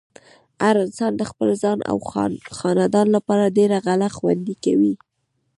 هر انسان د خپل ځان او خاندان لپاره ډېره غله خوندې کوي۔